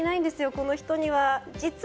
この人には。